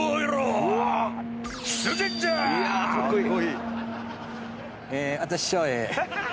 かっこいい。